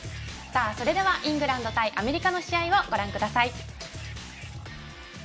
それではイングランド対アメリカの試合をご覧ください。